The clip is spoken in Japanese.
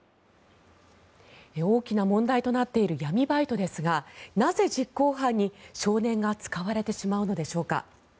大きな問題となっている闇バイトですがなぜ実行犯に少年が使われてしまうのでしょうか。